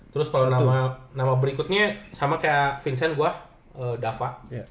terus kalau nama berikutnya sama kayak vincent gua dava